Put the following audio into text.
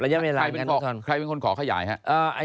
ใครเป็นคนขอขยายครับ